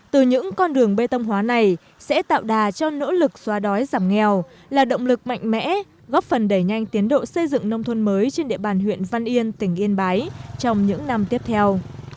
từ những con đường bê tông hóa này sẽ tạo đà cho nỗ lực xóa đói giảm nghèo là động lực mạnh mẽ góp phần đẩy nhanh tiến độ xây dựng nông thôn mới trên địa bàn huyện văn yên tỉnh yên bái trong những năm tiếp theo